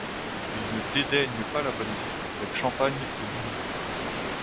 Il ne dédaigne pas la bonne vie, avec champagne et humour.